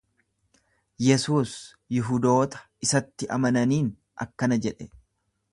Yesuus Yihudoota isatti amananiin akkana jedhe.